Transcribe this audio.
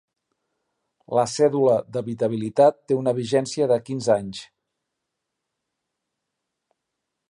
La cèdula d'habitabilitat té una vigència de quinze anys.